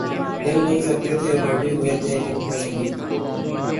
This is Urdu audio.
ہل نہیں سکتے تھے اور لیٹے ہوئے تھے انکو شہید